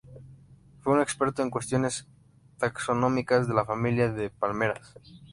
Fue un experto en cuestiones taxonómicas de la familia de las palmeras.